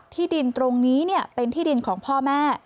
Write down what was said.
ที่ดินตรงนี้เป็นที่ดินของพ่อแม่